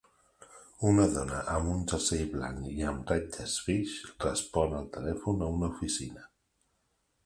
Una dona amb un jersei blanc i amb ratlles beix respon el telèfon a una oficina.